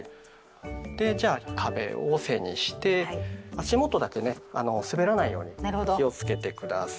でじゃあ壁を背にして足元だけね滑らないように気をつけて下さい。